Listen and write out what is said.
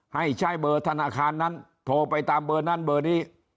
ให้ใช้เบอร์ธนาคารนั้นโทรไปตามเบอร์นั้นเบอร์นี้